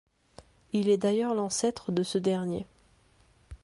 Il est d'ailleurs l'ancêtre de ce dernier.